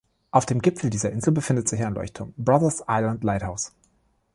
Auf dem Gipfel dieser Insel befindet sich ein Leuchtturm, Brothers Island Lighthouse.